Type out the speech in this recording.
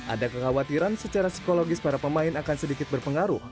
ada kekhawatiran secara psikologis para pemain akan sedikit berpengaruh